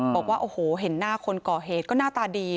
บอกว่าโอ้โหเห็นหน้าคนก่อเหตุก็หน้าตาดี